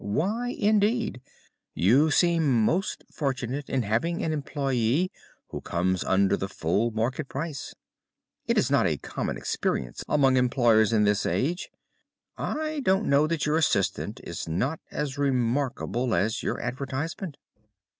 "Why, indeed? You seem most fortunate in having an employé who comes under the full market price. It is not a common experience among employers in this age. I don't know that your assistant is not as remarkable as your advertisement."